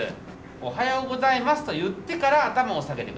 「おはようございます」と言ってから頭を下げて下さい。